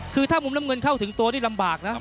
คือถ้ามุมน้ำเงินเข้าถึงตัวนี่ลำบากนะครับ